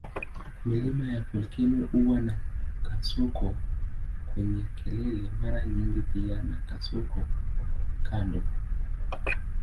Milima ya volkeno huwa na kasoko kwenye kelele mara nyingi pia na kasoko kando.